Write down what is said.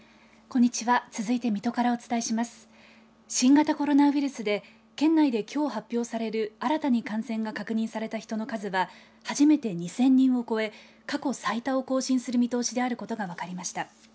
新型コロナウイルスで県内できょう発表される新たに感染が確認された人の数は初めて２０００人を超え過去最多を更新する見通しであることが分かりました。